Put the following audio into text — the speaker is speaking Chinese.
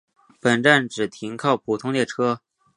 本站只停靠普通列车。